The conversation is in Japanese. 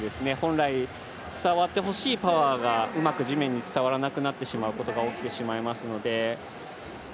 本来、伝わってほしいパワーがうまく地面に伝わらなくなってしまうということは起きてしまっていますので。